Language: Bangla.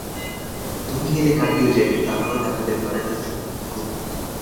তুমি গেলে কাকীও যাইবেন, তাহা হইলে আমাদের ঘরের কাজ চলিবে কী করিয়া।